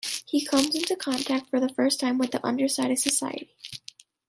He comes into contact for the first time with the underside of society.